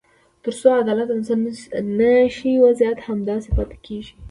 تر څو عدالت بنسټ نه شي، وضعیت همداسې پاتې کېږي.